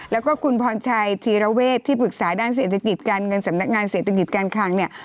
แล้วก็คุณพรชัยธีรเวศที่ปรึกษาด้านเศรษฐกิจการเงินสำนักงานเศรษฐกิจการคลังเนี่ย